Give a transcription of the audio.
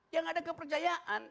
yang ada kepercayaan